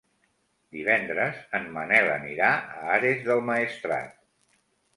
Divendres en Manel anirà a Ares del Maestrat.